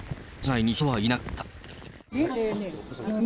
車内に人はいなかった。